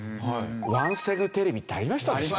ワンセグテレビってありましたでしょ？